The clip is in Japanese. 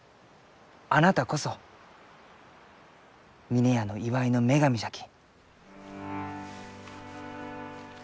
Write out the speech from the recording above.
あなたこそ峰屋の祝いの女神じゃき。